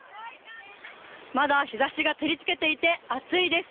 まだ日差しが照り付けていて暑いです。